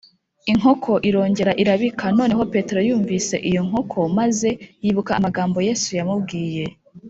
inkoko irongera irabika noneho petero yumvise iyo nkoko, maze yibuka amagambo yesu yamubwiye